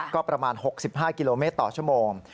ก็ประมาณ๖๕กิโลเมตรต่อชั่วโมง